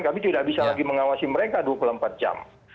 kami tidak bisa lagi mengawasi mereka dua puluh empat jam